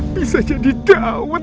bisa jadi da'awet